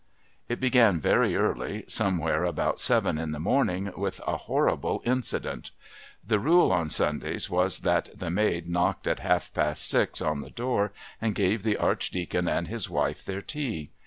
It began very early, somewhere about seven in the morning, with a horrible incident. The rule on Sundays was that the maid knocked at half past six on the door and gave the Archdeacon and his wife their tea.